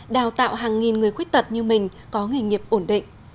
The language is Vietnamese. đào tạo hàng nghìn người khuyết tật như mình có nghề nghiệp ổn định